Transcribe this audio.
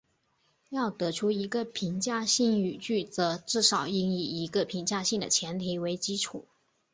要得出一个评价性语句则至少应以一个评价性的前提为基础。